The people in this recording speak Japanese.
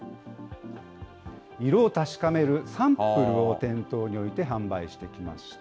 色を確かめるサンプルを店頭に置いて販売してきました。